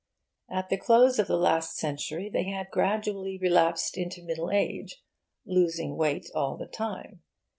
At the close of the last century they had gradually relapsed into middle age, losing weight all the time.